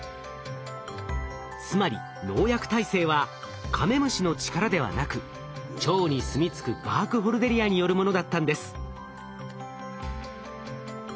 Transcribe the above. つまり農薬耐性はカメムシの力ではなく腸にすみ着くバークホルデリアによるものだったんです。